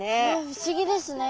不思議ですね。